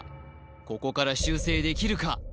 ここから修正できるか？